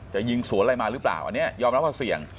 ยิงสวนอะไรมาหรือเปล่าอันนี้ยอมรับว่าเสี่ยง